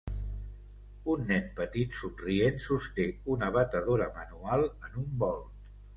Un nen petit somrient sosté una batedora manual en un bol.